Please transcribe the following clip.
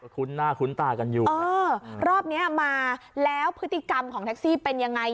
คุ้นหน้าคุ้นตากันอยู่เออรอบเนี้ยมาแล้วพฤติกรรมของแท็กซี่เป็นยังไง